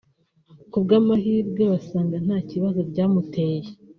ku bwamahirwe basanga nta kibazo byamuteye